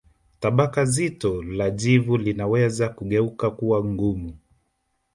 Tabaka zito la jivu linaweza kugeuka kuwa ngumu